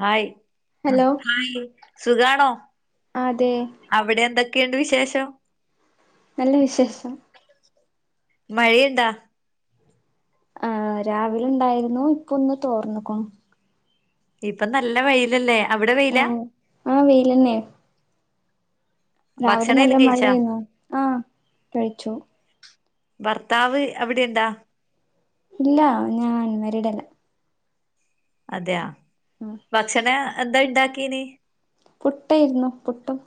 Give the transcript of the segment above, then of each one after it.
Hi അ hello hi സുഖാണോ അതെ അവിടെയെന്തൊക്കെയുണ്ട് വിശേഷം നല്ല വിശേഷം മഴയിണ്ടാ ആ രാവിലെ ഇണ്ടായിരുന്നു ഇപ്പൊന്ന് തോർന്ന്ക്ക്ണു ഇപ്പം നല്ല വെയിലല്ലേ അവിടെ വെയില ആണ് അ വെയിലന്നെ രാവിലെ ഭക്ഷണം നല്ല എല്ലാം കഴിച്ചാ മഴയേയിരുന്നു ആ കഴിച്ചു ഭർത്താവ് അവിടെ എന്താ ഇല്ല ഞാൻ മാരീഡല്ല അതെയാ ആ ഭക്ഷണം എന്താ ഇണ്ടാക്കീന് പുട്ടേരുന്നു പുട്ടും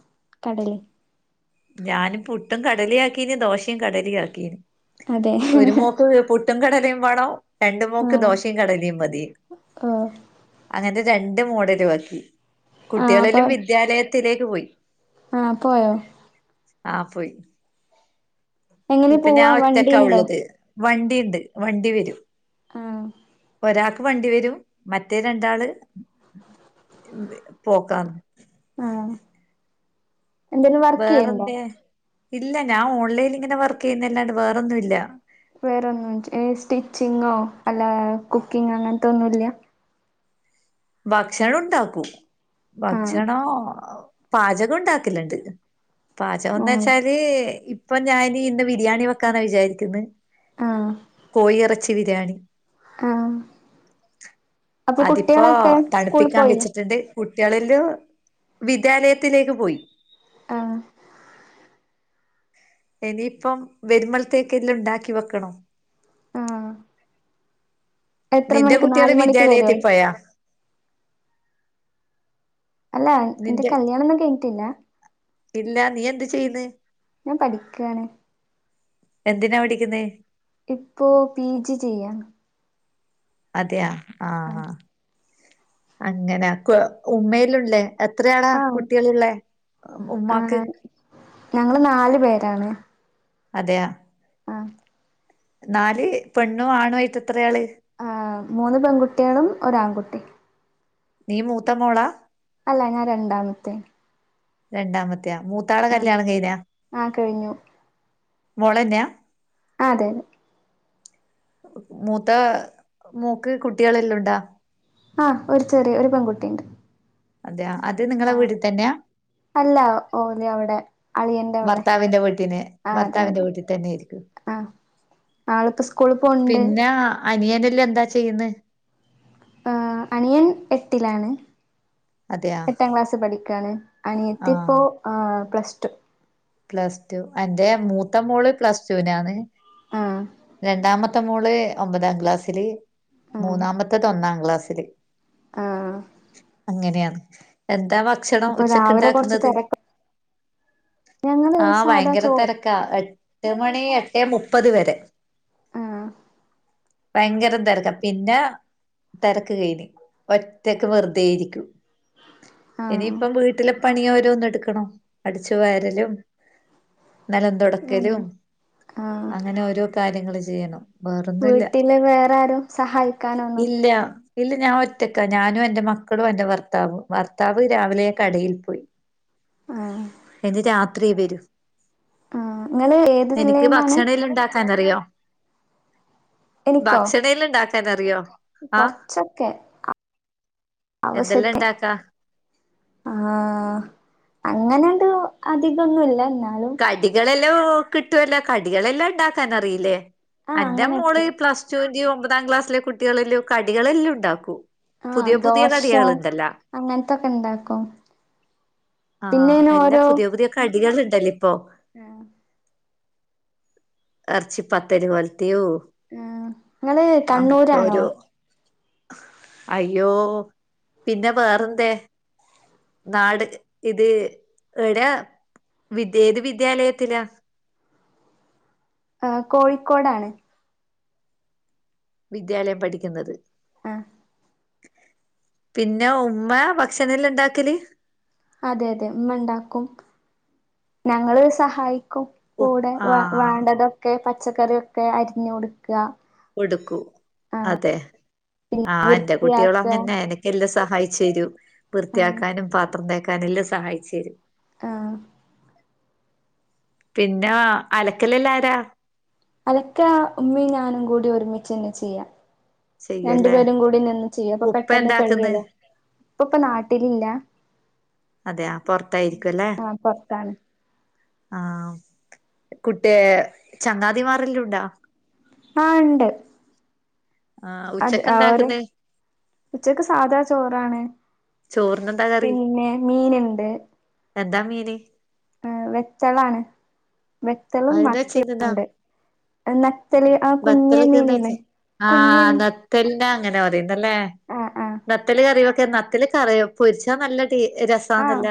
കടലയും ഞാനും പുട്ടും കടലയു ആക്കീന് ദോശയും കടലയു ആക്കീന് അതെ ഒരുമോക്ക് പുട്ട ട്ടും കടലേം വേണം ആ രണ്ടുമോക്ക് ദോശയും കടലേ മതീന്ന് ഓ അങ്ങനെ രണ്ട് മോഡലും ആക്കി ആ അപ്പൊ കുട്ട്യാളെല്ലോ വിദ്യാലയത്തിലേക്ക് പോയി ആ പോയോ ആ പോയി എങ്ങനെ ഇപ്പോ ഞ പോവാ ഒറ്റക്കാ വണ്ടിണ്ടോ ഉള്ളത് വണ്ടിണ്ട് വണ്ടി വരും ആ ഒരാക്ക് വണ്ടി വരും മറ്റേ രണ്ടാള് പോക്കാന്ന് ആഹ വേറെ എന്ത ഇല്ല ഞാൻ ഓൺലൈനി ഇങ്ങനെ വർക്ക് ചെയ്യുന്നല്ലാണ്ട് വേറെന്നും ഇല്ല വേറെ ഒന്നും സ്റ്റിച്ചിങ്ങോ അല്ല കുക്കിങ് അങ്ങനത്തെ ഒന്നും ഇല്ലയ ഭക്ഷണം ഉണ്ടാക്കൂ ആഹ് ഭക്ഷണ പാചകം ഉണ്ടാക്കില്ലുണ്ട് പാചകം എന്ന് ആഹ് വെച്ചാല് ഇപ്പൊ ഞൻ ഇന്ന് ബിരിയാണി വെക്കന്ന ആഹ് വിചാരിക്കുന്നെകോഴി ഇറ ച്ചി ബിരിയാണി ആഹ അപ്പൊ കുട്ടി ഇപ്പോൊ തണുപ്പിക്കാൻ വെച്ചിട്ടുണ്ട് കുട്ടികളില് വിദ്യാലയത്തിലേക്ക് പോയി. ആഹ ഇനിയിപ്പം വെരുമളത്തേക്കെ എല്ല ഉണ്ടാക്കി വെക്കണം. ആഹ് എത്ര നിന്റെ മണിക്ക് കുട്ടികള് നാല് മണിക്ക് വരുവോ വിദ്യാലയത്തിൽ പോയാ? അല്ല എന്റെ നിന്റെ കല്യാണംന്നും കഴഞ്ഞിട്ടില്ല. ഇല്ല നീ എന്ത് ചെയ്യന്ന്. ഞാൻ പഠിക്കാണ്. എന്തിനാ പഠിക്കുന്നത്. ഇപ്പോ പി ജി ചെയ്യാണ് അതെയ ആ ആഹ് അങ്ങനെ, ഉമ്മയിലുള്ളേ. എത്രയാണ് ആഹ് കുട്ടികളുള്ളെ? ഉമ്മാക്ക് ആഹ് ഞങ്ങള് നാല് പേരാണ്. അതെയ. ആഹ നാല് പെണ്ണും ആണു ആയിട്ട് എത്രയാള്. ആഹമൂന്ന് പെൺകുട്ടികളും ഒര ആൺകുട്ടി. നീ മൂത്ത മോളാ. അല്ല ഞാൻ രണ്ടാമത്തെ. രണ്ടാമത്തെയ മൂത്താള ആഹ് കല്യാണ് കഴിഞ്ഞ, ആഹ് കഴിഞ്ഞു മോൾ തന്നെയാ? ആ അതെ അതെ. മൂത്ത മൂക്ക് കുട്ടികളെല്ലാംണ്ടാ. ആ ഒരു ചെറിയ ഒരു പെൺകുട്ടിയുണ്ട്. അതെയ അത് നിങ്ങളെ ആഹ് വീട്ടിൽ തന്നെയാ.? അല്ല ഓലി അവിടെ അളിയന്റെ അവിടെ, ഭർത്താവിന്റെ വീട്ടിന് ആ അതെ ഭർത്താവിന്റെ അവിടെ. വീട്ടിൽ തന്നെ ആയിരിക്കും ആ് ആളി ഇപ്പോ സ്കൂളി പോണ്ട്. അനിയനെല്ലേ എന്താ ചെയ്യന്ന്. അനിയൻ എട്ടിലാണ്. അതെയാ എട്ടാം ക്ലാസ് പഠിക്കയാണ്, അനിയത്തിപ്പോ ആഹ് പ്ലസ് ടു. പ്ലസ് ടു എന്റെ മൂത്ത മോള് പ്ലസ് ടുവിനാണ്. ആഹ് രണ്ടാമത്തെ മോള് ഒമ്പതാം ക്ലാസ്സില്, ആ മൂന്നാമത്തെ ഒന്നാം ക്ലാസ്സില്. ആ അങ്ങനെയാണ് എന്താ ഭക്ഷണം അപ്പൊ ഉച്ചക്ക് രാവിലെ കൊറച്ച് ഉണ്ടാക്കുന്നത്! തിരക്ക് ഞങ്ങള് ആ സാധാ ഭയങ്കര ചോറ് തിര എട്ട് മണി എട്ടേ മുപ്പത് വരെ. ആഹ ഭയങ്കരം തിരക്ക പിന്നെ തിരക്ക് കഴിഞ്ഞ് ഒറ്റക്ക് വെറുതൊയിരിക്കും. ആ ഇനിയിപ്പം വീട്ടിലെ പണി ഓരോന്നും എടുക്കണോ അടിച്ചു വരലും നിലം ഉം തുടക്കലും, ആ അങ്ങനെ ഓരോ കാര്യങ്ങള് ചെയ്യണം. വേറൊന്നുല്ല വീട്ടില് വേറെ ആരും സഹായിക്കാനൊന്നുല്ലേ? ഇല്ല. ഇല്ല ഞാൻ ഒറ്റക്ക ഞാനും എന്റെ മക്കളും എന്റെ ഭർത്താവും, ഭർത്താവ് രാവിലെ കടയിൽ പോയി. ആ ഇനി രാത്രി വരൂ. ആ നിങ്ങള് ഏത് നിനിക്ക് ജില്ലയിന്നാണ് ഭക്ഷണ ല്ല ഉണ്ടാക്കാൻ അറിയോ? എനിക്കോ ഭക്ഷണം എല്ലാം ഉണ്ടാക്കാൻ അറിയാം ആഹ. കൊറച്ചൊക്കെ എന്തെല്ലാം ഇണ്ടാക്കാ? ആഹ അങ്ങനെണ്ട് അതി ഇതൊന്നുമല്ല എന്നാലും. കടികളെല്ലാം കിട്ടുവല്ല കടികളെല്ലാം ഉണ്ടാക്കാൻറിയില്ലേ ആഹ് എന്റെ മോള്ഈ അങ്ങനെയൊക്കെ പ്ലാസ് അ ഒമ്പതാം ക്ലാസ്സിലെ കുട്ടികളല്ലോ കടികളെല്ലാം ഉണ്ടാക്കും. ആഹ പുതിയ പുതിയ ദോശ കടികളുണ്ടല്ലോ അങ്ങനത്തൊക്കെ ഇണ്ടാക്കും. ആഹ് പിന്നെങ്ങനെ എല്ലാ പുതിയ പുതിയ കടികൾ ണ്ടല്ലോ ഇപ്പോ. എ. ഇറ്ച്ചി പത്തല് ഒല്ത്തിയോ ആഹ് ഇങ്ങള് അഹ് കണ്ണൂരാണോ ഒരു. അയ്യോ പിന്നെ വേറെന്തെ? നാട് ഇത് എടയാ? ത്ഏത് വിദ്യാലയത്തിലാ? ആഹ് കോഴിക്കോടാണ്. വിദ്യാലയം പഠിക്കുന്നത്. ആഹ്. പിന്നെ ഉമ്മ ഭക്ഷണല്ല ഉണ്ടാക്കല്? അതെ അതെ ഉമ്മണ്ടാക്കും ഞങ്ങള് സഹായിക്കും. ഉ കൂടെ വ ആഹ് വേണ്ടതൊക്കെ പച്ചക്കറിയൊക്കെ അരിഞ്ഞ് കൊടുക്ക് കൊടുക്കൂ അതെ ആഹ് എന്റെ കുട്ടികൾ വൃത്തിയാക്ക അങ്ങന്നെ എന എല്ലാം സഹായിച്ച് തരും ആഹ് വൃത്തിയാക്കാനും പാത്രം തേക്കാനും എല്ലാം സഹായിച്ച് തരും. ആഹ്. പിന്നെ അലക്കലല്ല ആരാ? അലക്കാ ഉമ്മയും ഞാനും കൂടി ഒരുമിച്ച് തന്നെ ചെയ്യാ ചെയ്യുവല്ലേ രണ്ടുപേരും കൂടി നിന്ന്. ചെയ്യ അപ്പൊ ഉപ്പ പെട്ടെന്ന് എന്താക്കുന്ന് കഴിയല്ലോ ഇപ്പ ഇപ്പൊ നാട്ടിലില്ല. അതെയ പെറ്ത്തായിരിക്കുംല്ലേ. ആ പൊറത്താണ് ആഹ് കുട്ടി ചങ്ങാതിമാറെല്ലുണ്ടോ? ആഹ് ഇണ്ട്. ആഹ് അത് അവര് ഉച്ചക്കെന്താക്കുന്നെ ഉച്ചക്ക് സാധാ ചോറാണ്. ചോറിന് എന്താ കറി പിന്നെ മീനുണ്ട് എന്താ മീന്? ഏ വെത്തളാണ് വെത്തളും അത് മത്തിം വെച്ചെന്താ ഉണ്ട്. നത്തല് ആഹ് കുഞ്ഞാ മീനില്ലേ കുഞ്ഞൻ മീ തെല്ല അങ്ങനെ പറയുന്നല്ലേ? നത്തല് കറിവെക്കെ നത്തല് കറിയ പൊര്ച്ചാ നല്ല ട്ടേ രസ ആഹ്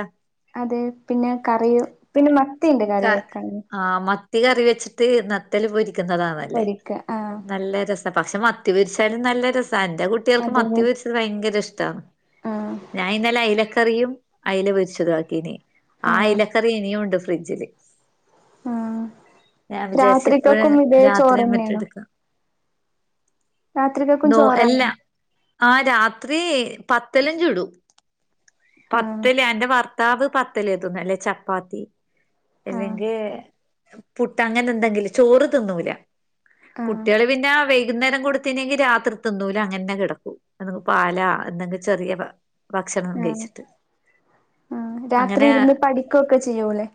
അതെ പിന്നെ കറി പിന്നെ മത്തിയ്ണ്ട് ക കറി വെക്കാ ആഹ് മത്തി കറി വെച്ചിട്ട് നത്തല് പൊരിക്കുന്നതാ നല്ല പൊരിക്ക ആ നല്ല രസ പക്ഷേ മത്തിപെരിച്ചാലും നല്ല രസ എന്റെ കുട്ടികൾക്ക് മത്തി അതന്നെ പെരി ഭയങ്കര ഇഷ്ടമാണ് ആ ഞാൻ ഇന്നലെ അയിലക്കറിയും അയില പൊരിച്ചതാക്കിനി. ആ ആഹ് അയിലക്കറി ഇനിയും ഉണ്ട് ഫ്രിഡ്ജില്. ആഹ്. ഞാൻ വിചാരിച്ച് ഇപ്പഴ ചോറ് രാത്രിയോ മറ്റോ തന്നെയാണോ എടുക്കാം. രാത്രികക്കും ന്തോ എല്ല ചോറാണ് ആഹ് രാത്രി പത്തലുംഞ്ചുടും. ആഹ് പത്തല് എന്റെ ഭർത്താവ് പത്തല് തിന്ന അല്ലേ ചപ്പാത്തി. ആഹ് അല്ലെങ്കിൽ പുട്ട് അങ്ങനെ എന്തെങ്കിലും ചോറ് തിന്നൂല. ആഹ് കുട്ടിള് പിന്നെ. വൈകുന്നേരം കൊടുത്തനെങ്കി രാത്രി തിന്നൂല അങ്ങനെ കിടക്കൂം പാലാ എന്നെങ്ക ചെറിയ. ഭക്ഷണം ആഹ് കഴിച്ച്. ആഹ് രാത്രി ഇരുന്ന് പഠിക്കുക്കെ ചെയ്യൂലേ.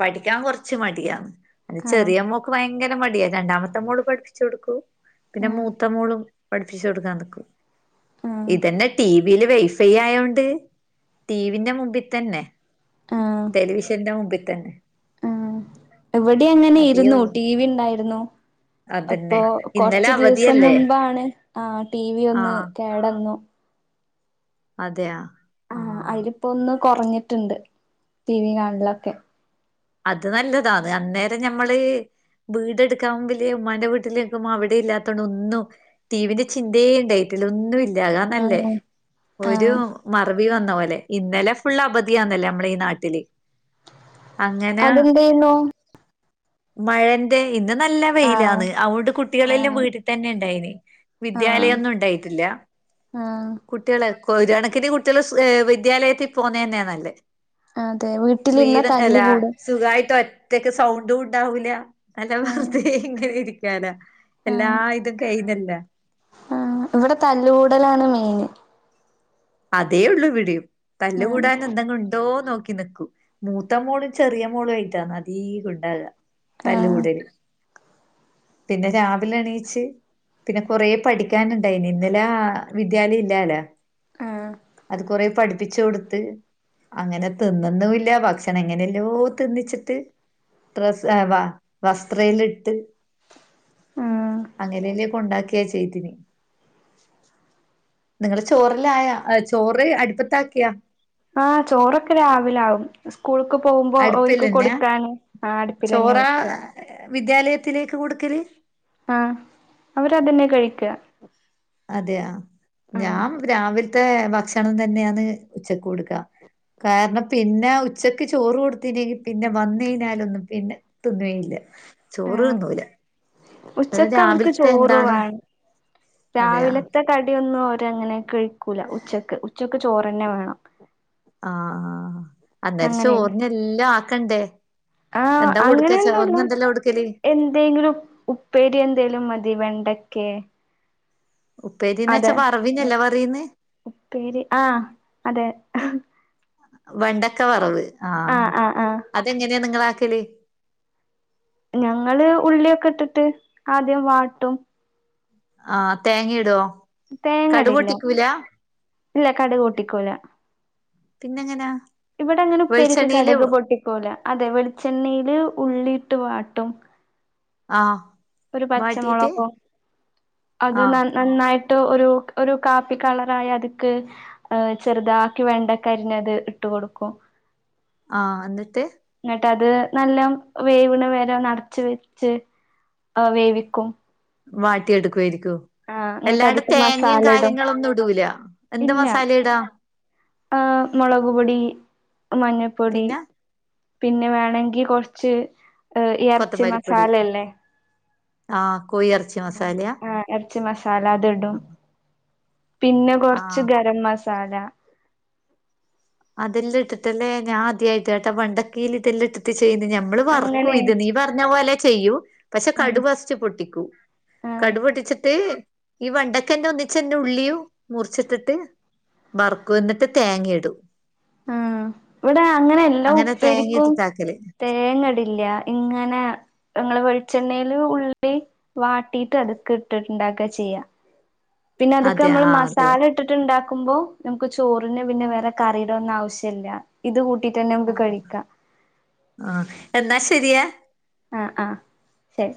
പഠിക്കാൻ കെറ്ച്ച് മടിയ ന്റെ ആണോ ചെറിയ മോ ഭയങ്കര മടിയാ രണ്ടാമത്തെ മോള് പഠ്പ്പിച്ച് കൊടുക്കും പിന്നെ ആഹ് മൂത്ത മോളും. പഠ്പ്പിച്ചു കൊടുക്കാ നിക്കും ആഹ് ഇതന്നെ ടി വി ൽ വൈഫൈ ആയോണ്ട്. ണ്ട് ടി വി ന്റെ മുമ്പി തന്നെ. ആഹ് ടെലിവിഷന്റെ മുമ്പി തന്നെ. ആഹ് ഇവിടെ അങ്ങനെ അതേ ഇരുന്നു ഉള്ളൂ ടി വി ണ്ടായിരുന്നു. അപ്പോ അതന്നെ ഇന്നലെ കൊറ്ച്ചു ദിവസം അവധിയല്ലേ മുമ്പാണ് ആഹ് ടി വി ഒന്ന് ആഹ് കേടന്നു. അതെയ ആഹ് അയില് ഇപ്പോ ഒന്ന് കെറ്ഞ്ഞിട്ടുണ്ട് ടി വി കാണലൊക്കെ. അത് നല്ലതാ അന്നേരം ഞമ്മള് വീടെ എടുക്കാൻ വലിയ ഉമമാന്റെ വീട്ടിലക്കും അവിടെ ഇല്ലാത്തോണ്ട് ഒന്നും ടി വി ന്റെ ചിന്തേ ഉണ്ടായിട്ടല്ല ഒന്നും ഇല്ല അതാ നല്ലേ ആഹ് ഒരു ആഹ് മറവി വന്ന പോലെ ഇന്നലെ ഫുള്ള് അവധിയാന്നല്ലേ നമ്മള ഈ നാട്ടില് അങ്ങനെ അതെന്തേന്നു മഴന്റെ ഇത് നല്ല ആഹ് വെയിലാന്ന് അതൊണ്ട് കുട്ടികളെല്ലാം ആഹ് വീട്ടിൽ തന്നെ ഉണ്ടായിന് വിദ്യാലയം ഒന്നും ഉണ്ടായിട്ടില്ല ആ കുട്ടികള് ഒരു കണക്കിന് കുട്ടികൾ വിദ്യാലയത്തിൽ പോന്ന തന്നെയ നല്ലെ അതെ വീട്ടിൽ നിന്ന ത അല്ല സുഖായിട്ട് ഒറ്റക്ക് സൗണ്ടും ഉണ്ടാവില്ല നല്ല ആഹ് വെറുതെ ഇങ്ങനെ ഇരിക്കാനാ എല്ലാ ആഹ് ഇതും കഴിഞല്ല ആഹ് ഇവിടെ തല്ലുകൂടലാണ് മെയിൻ അതേ ഉള്ളൂ ഇവിടെയും തല്ല് ആഹ് കൂടാൻ എന്തെങ്കിലും ഉണ്ടോ നോക്കി നിക്കും മൂത്ത മോളും ചെറിയ മോളും ആയിട്ടാണ് അധീകം ഉണ്ടാവുക തല്ല് ആഹ് കൂടല് പിന്നെ രാവിലെ എണീച്ച് പിന്നെ കൊറേ പഠിക്കാനുണ്ടായിനി ഇന്നലെ വിദ്യാലയം ഇല്ലല്ലേ ആഹ് അത് കുറെ പഠിപ്പിച്ചു കൊടുത്ത് അങ്ങനെ തിന്ന്ന്നു ല്ല ഭക്ഷണം എങ്ങനെയല്ലോ തിന്നിച്ചിട്ട് ഡ്രസ്സ്‌ വസ്ത്രയിലിട്ട് ആഹ് അങ്ങനെ തന്നെ കൊണ്ടാക്കിയാ ചെയ്തിനു നിങ്ങള ചോറല്ലായ ചോറ് അടിപ്പത്താക്കിയാ ആ ചോറൊക്കെ രാവിലെ ആവും സ്കൂള്ക്ക് പോകുമ്പോ ഓര്ക്ക് അടുപ്പിലന്നെ കൊടുക്കാന് ആ അടുപ്പിൽ തന്നെയാ ചോറാ വെക്ക വിദ്യാലയത്തിലേക്ക് കൊടുക്കല് ആ അവര് അതെന്നയാ കഴിക്ക അതെയാ ആഹ് ഞാൻ രാവിലത്തെ ഭക്ഷണം തന്നെയന്ന് ഉച്ചക്ക് കൊടുക്ക കാരണം പിന്നെ ഉച്ചക്ക് ചോറ് കൊടുത്തിനെങ്ക പിന്നെ വന്ന് കഴഞ്ഞാലൊന്നും പിന്നെ തിന്നലില്ല ചോറ് ആഹ് തിന്നൂല അതായത് ഉച്ചക്ക് അവർക്ക് രാവിലത്തെ ചോറ് എന്താണോ വേണം അതെയാ രാവിലത്തെ കടിയൊന്നും അവര് അങ്ങനെ കഴിക്കൂല ഉച്ചക്ക് ഉച്ചക്ക് ചോറ്തന്നെ വേണം ആ ആ അന്നേരം ചോറ്ന് എല്ലാം ആക്കണ്ടേ ആ എന്താ കൊടുക്ക അങ്ങനെയൊന്നുംല്ല ചോറിന് എന്തെല്ലാം കൊടുക്കല് എന്തെങ്കിലും ഉ പ്പേരി എന്തേലും മതി വെണ്ടക്കെ ഉപ്പേരിന്ന് വച്ചാ അതെ ഉം വറവിനല്ലേ പറയ്ന്ന് ഉപ്പേരി ആഹ് അതെ വെണ്ടക്ക വറവ് ആ ആഹ് ആഹ് ആഹ് അതെങ്ങനെയാ നിങ്ങള് ആക്കല് ഞങ്ങള് ഉള്ളിയൊക്കെ ഇട്ടിട്ട് ആദ്യം വാട്ടും ആ തേങ്ങഇടുവോ തേങ്ങ ഇടില്ല ഇല്ല കട്ക് പൊട്ടിക്കൂല പിന്നെങ്ങനാ ഇവിടെ അങ്ങനെ ഉപ്പേരിക്ക് വെളിച്ചെണ്ണയില് കട്ക് പൊട്ടിക്കൂല അതെ വെളിച്ചെണ്ണയില് ഉള്ളിയിട്ട് വാട്ടും ആ ഒരു പച്ചമുളകും അത് ആഹ് നല്ല നന്നായിട്ട് ട്ട് ഒരു ഒരു കാപ്പി കളറായി അത്ക്ക് ചെറുതാക്കി വെണ്ടക്കരിഞത് ഇട്ടു കൊടുക്കും ആ എന്നിട്ട് എന്നിട്ട് അത് നല്ല വേവണ് വരെ നിറച്ച് വെച്ച് ആ വേവിക്കും വാട്ടിയെടുക്കുായിരിക്കും ആഹ് ഇങ്ങട്ട് എല്ലാണ്ട് അത്ക്ക് തേങ്ങയും മസാല ഇടും കാര്യങ്ങള ഒന്നും ഇടൂല എന്ത് മസാല ഇടാ ആ മുളക്പൊടി മഞ്ഞൾപ്പൊടി പിന്നെ പിന്നെ വേണെങ്കി കുറച്ച് ഇറച്ചി കൊത്തമല്ലിപ്പൊടി മസാലയല്ലേ ആഹ് കോയിയെറച്ചി ആഹ് ഇറച്ചി മസാല അത് ഇടും പിന്നെ കൊറച്ച് ആഹ് ഗരം മസ സാല അതെല്ലാം ഇട്ടല്ലേ ഞാൻ ആദ്യ ആയിട്ട് കേട്ടാ വണ്ടക്കയിൽ ഇതെല്ല ഇട്ടിട്ട് ചെയ്യുന്നു ഞ നമ്മള് വർക്കും അങ്ങനെ ഇത് നീ പറഞ്ഞ പോലെ ചെയ്യൂ പക്ഷെ കടു ആഹ് ഫസ്റ്റ് പൊട്ടിക്കൂ ആഹ് കടു പൊട്ടിച്ചിട്ട് ഈ വണ്ടക്കന്നെ ഒന്നിച്ചന്നെ ഉള്ളിയും മുറിച്ചിട്ടിട്ട് വർക്കും എന്നിട്ട് തേങ്ങ ഇടും ആഹ് ഇവിടെ അങ്ങനെ എല്ലാം അങ്ങനെ തേങ്ങ ഉപ്പേരിക്കും ഇട്ടിട്ടാക്കല് തേങ്ങടില്ല ഇങ്ങനെ ങ്ങള് വെളിച്ചെണ്ണൽ ഉള്ളി വാട്ടിയിട്ട് അത്ക്കെ ഇട്ടിട്ടുണ്ടാക്കുക ചെയ്യാം പിന്നെ അതക്കെ അതെ നമ്മള് ആഹ് അതെ മസാല ഇട്ടിട്ടുണ്ടാക്കുമ്പോ നമുക്ക് ചോറിന് പിന്നെ വേറെ കറിടെ ഒന്നും ആവശ്യമില്ല ഇത് കൂട്ടിട്ട് തന്നെ നമുക്ക് ആഹ് കഴിക്കാം ആഹ് എന്നാ ശരിയ ആഹ് ആഹ് ശരി